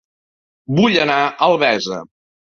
Vull anar a Albesa